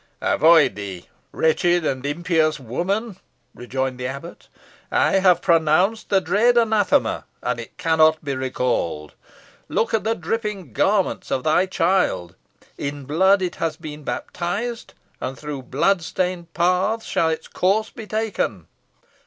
"Avoid thee, wretched and impious woman," rejoined the abbot; "I have pronounced the dread anathema, and it cannot be recalled. Look at the dripping garments of thy child. In blood has it been baptised, and through blood stained paths shall its course be taken."